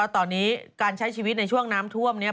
ตอนนี้การใช้ชีวิตในช่วงน้ำท่วมนี้